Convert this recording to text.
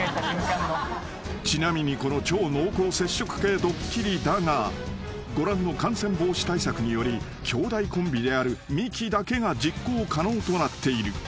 ［ちなみにこの超濃厚接触系ドッキリだがご覧の感染防止対策により兄弟コンビであるミキだけが実行可能となっている］